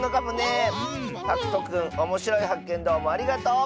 はくとくんおもしろいはっけんどうもありがとう。